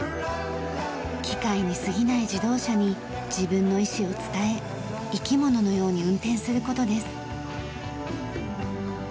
機械に過ぎない自動車に自分の意志を伝え生き物のように運転する事です。